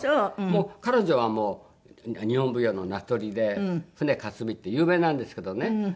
もう彼女は日本舞踊の名取で「舟かつみ」って有名なんですけどね。